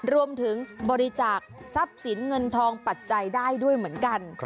รวมถึงบริจาคทรัพย์สินเงินทองปัจจัยได้ด้วยเหมือนกัน